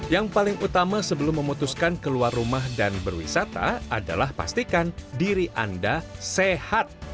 yang paling utama sebelum memutuskan keluar rumah dan berwisata adalah pastikan diri anda sehat